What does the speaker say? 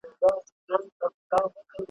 تر ماښام پوري به ګورو چي تیاره سي `